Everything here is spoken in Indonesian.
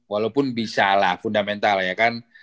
walaupun bisa lah fundamental ya kan